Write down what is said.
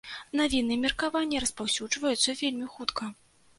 Навіны і меркаванні распаўсюджваюцца вельмі хутка.